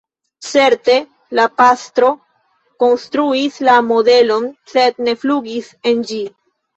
Certe la pastro konstruis la modelon, sed ne flugis en ĝi.